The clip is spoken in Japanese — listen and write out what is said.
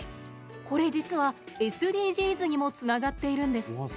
これ、実はＳＤＧｓにもつながっているんです。